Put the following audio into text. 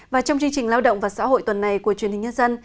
và trong chương trình lao động và xã hội tuần này của truyền hình nhân dân